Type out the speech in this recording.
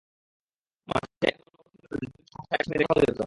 মাঝে এমন অবস্থা ছিল যে, দুজনকে সহসা একসঙ্গে দেখাও যেত না।